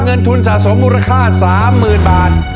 เงินทุนสะสมมูลค่า๓๐๐๐บาท